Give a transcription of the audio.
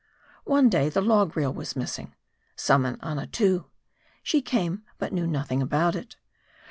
One day the log reel was missing. Summon Annatoo. She came ; but knew nothing about it.